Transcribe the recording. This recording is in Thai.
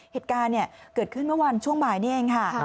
เหตุการณ์เกิดขึ้นเมื่อวันช่วงบ่ายนี้เองค่ะ